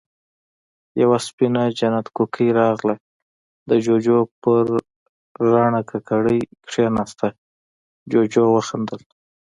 يوه سپينه جنت کوکۍ راغله، د جُوجُو پر رڼه ککری کېناسته، جُوجُو وخندل: